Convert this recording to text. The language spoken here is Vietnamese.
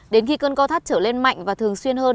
đến khi cơn co thắt trở lên mạnh và thường xuyên hơn